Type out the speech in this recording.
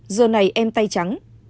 giờ này em tay trắng